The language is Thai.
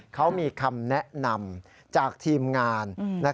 เขามีคำแนะนำจากทีมงาน